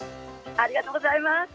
ありがとうございます。